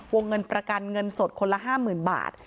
วงเงินประกันเงินสดคนละห้ามหมื่นบาท